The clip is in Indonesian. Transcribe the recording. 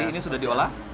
ini sudah diolah